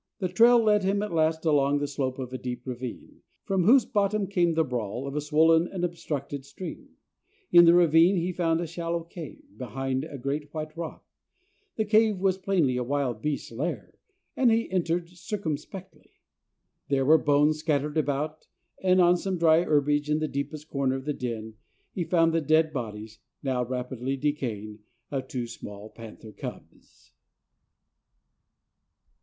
The trail led him at last along the slope of a deep ravine, from whose bottom came the brawl of a swollen and obstructed stream. In the ravine he found a shallow cave, behind a great white rock. The cave was plainly a wild beast's lair, and he entered circumspectly. There were bones scattered about, and on some dry herbage in the deepest corner of the den, he found the dead bodies, now rapidly decaying, of two small panther cubs.